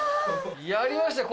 やりました